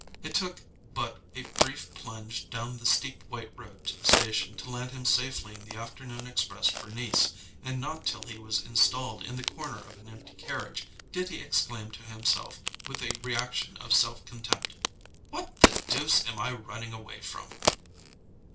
It took but a brief plunge down the steep white road to the station to land him safely in the afternoon express for Nice; and not till he was installed in the corner of an empty carriage, did he exclaim to himself, with a reaction of self contempt: "What the deuce am I running away from?"